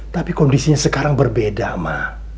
tapi kondisinya sekarang berbeda ma